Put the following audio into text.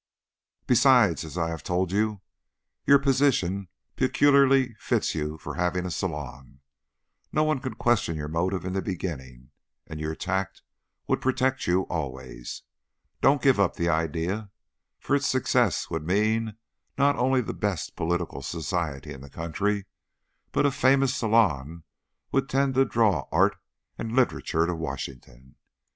Besides, as I have told you, your position peculiarly fits you for having a salon. No one could question your motive in the beginning, and your tact would protect you always. Don't give up the idea, for its success would mean not only the best political society in the country, but a famous salon would tend to draw art and literature to Washington.